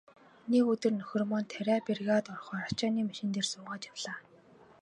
Нэг өдөр нөхөр маань тариа бригад орохоор ачааны машин дээр суугаад явлаа.